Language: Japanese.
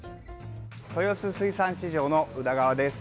豊洲水産市場の宇田川です。